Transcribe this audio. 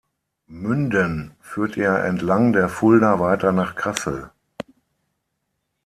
Münden führt er entlang der Fulda weiter nach Kassel.